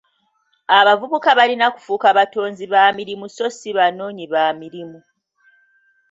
Abavubuka balina kufuuka batonzi ba mirimu so si banoonyi ba mirimu.